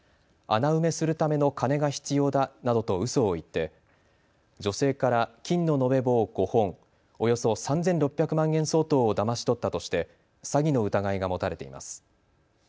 穴埋めするための金が必要だなどとうそを言って女性から金の延べ棒５本、およそ３６００万円相当をだまし取ったとして詐欺の疑いが持たれています。